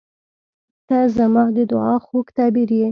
• ته زما د دعا خوږ تعبیر یې.